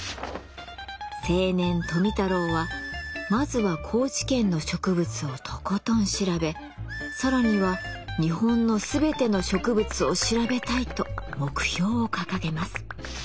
青年富太郎はまずは高知県の植物をとことん調べ更には日本の全ての植物を調べたいと目標を掲げます。